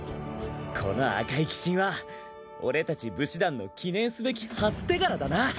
この赤い鬼神は俺たち武士団の記念すべき初手柄だな！